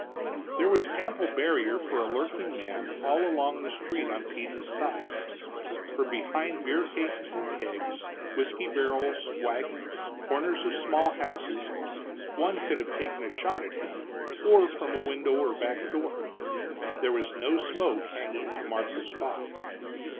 There was ample barrier for a lurking man all along the street on Peden's side. From behind beer cases and kegs, whisky barrels, wagons, corners of small houses, one could have taken a shot at him; or from a window or back door. There was no smoke hanging to mark the spot.